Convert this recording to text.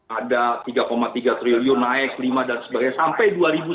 ada tiga tiga triliun naik lima dan sebagainya sampai dua ribu sembilan belas